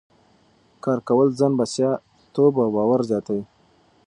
کار کول ځان بسیا توب او باور زیاتوي.